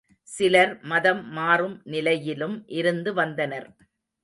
சிலர் மதம் மாறும் நிலையிலும் இருந்து வந்தனர்.